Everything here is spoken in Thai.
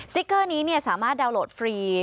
เกอร์นี้สามารถดาวน์โหลดฟรี